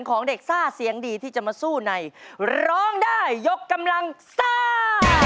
ของเด็กซ่าเสียงดีที่จะมาสู้ในร้องได้ยกกำลังซ่า